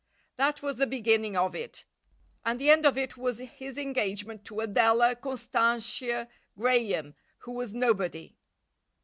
That was the beginning of it, and the end of it was his engagement to Adela Constantia Graham, who was nobody.